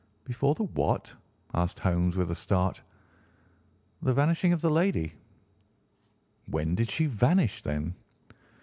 "Before the what?" asked Holmes with a start. "The vanishing of the lady." "When did she vanish, then?"